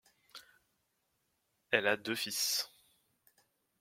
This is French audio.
Elle a deux fils.